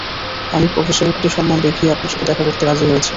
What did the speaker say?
আমি প্রফেসরের প্রতি সম্মান দেখিয়ে আপনার সাথে দেখা করতে রাজি হয়েছি।